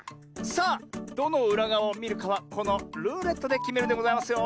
さあどのうらがわをみるかはこのルーレットできめるんでございますよ。